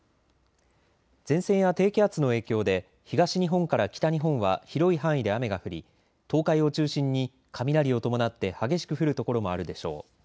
前線や低気圧の影響で東日本から北日本は広い範囲で雨が降り東海を中心に雷を伴って激しく降る所もあるでしょう。